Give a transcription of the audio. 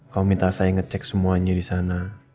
kamu minta saya ngecek semuanya disana